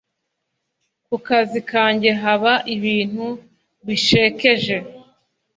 kukazi kanjye haba ibintu bishekeje